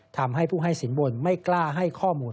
ทำให้ผู้ให้สินบนไม่กล้าให้ข้อมูล